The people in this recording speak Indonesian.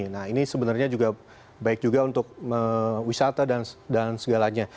nah ini sebenarnya juga baik juga untuk wisata dan segalanya